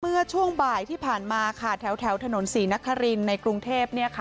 เมื่อช่วงบ่ายที่ผ่านมาค่ะแถวถนนศรีนครินในกรุงเทพ